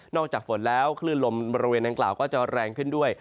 จากฝนแล้วคลื่นลมบริเวณดังกล่าวก็จะแรงขึ้นด้วย